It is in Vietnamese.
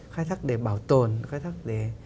khai thác để bảo tồn khai thác để